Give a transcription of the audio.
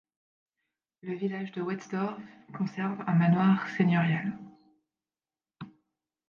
Le village de Wetzdorf conserve un manoir seigneurial.